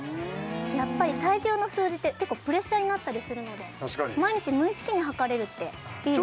やっぱり体重の数字って結構プレッシャーになったりするので毎日無意識に量れるっていいですよね